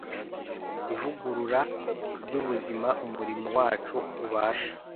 ivugurura ryubuzima Umurimo wacu ubasha